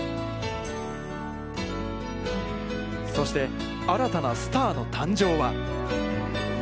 そして、新たなスターの誕生は？